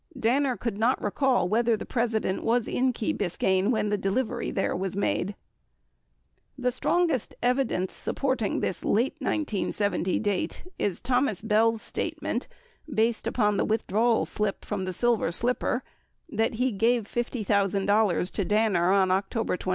Danner could not recall whether the President was in Key Biscayne when the delivery there was made. 45 The strongest evidence supporting this late 1970 date is Thomas Bell's statement, based upon the withdrawal slip from the Silver Slip per, that he gave $50,000 to Danner on October 26.